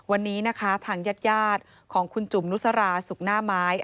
วันนี้ทางยาดของคุณจุ่มนุสราสุกหน้าไม้